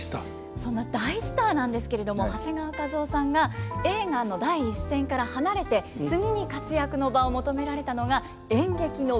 そんな大スターなんですけれども長谷川一夫さんが映画の第一線から離れて次に活躍の場を求められたのが演劇の舞台だということなんです。